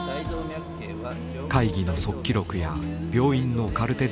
会議の速記録や病院のカルテ